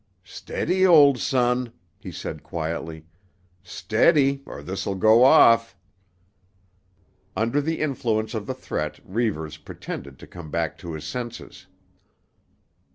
"Steady, old son," he said quietly, "steady, or this'll go off." Under the influence of the threat Reivers pretended to come back to his senses.